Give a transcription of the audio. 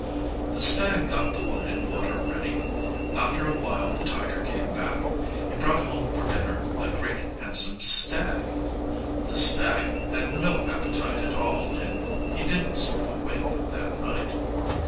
The stag got the wood and water ready. After a while the tiger came back. He brought home for dinner a great handsome stag. The stag had no appetite at all and he didn't sleep a wink that night.